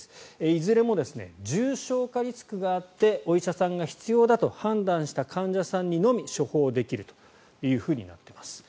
いずれも重症化リスクがあってお医者さんが必要だと判断した患者さんにのみ処方できるとなっています。